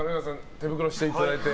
手袋をしていただいて。